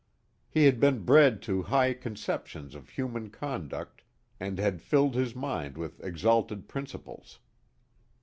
He had been bred to high conceptions of human conduct, and had filled his mind with exalted principles.